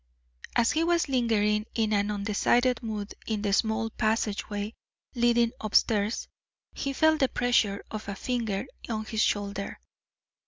As he was lingering in an undecided mood in the small passageway leading up stairs he felt the pressure of a finger on his shoulder.